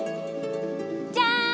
じゃん！